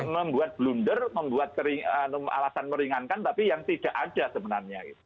membuat blunder membuat alasan meringankan tapi yang tidak ada sebenarnya